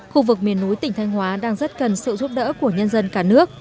khu vực miền núi tỉnh thanh hóa đang rất cần sự giúp đỡ của nhân dân